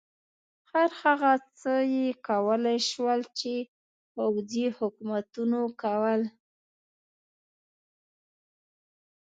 هر هغه څه یې کولای شول چې پوځي حکومتونو کول.